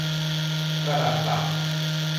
กระดาษเปล่า